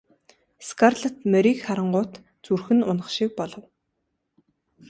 Скарлетт морийг харангуут зүрх нь унах шиг болов.